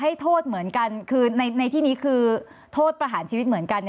ให้โทษเหมือนกันคือในที่นี้คือโทษประหารชีวิตเหมือนกัน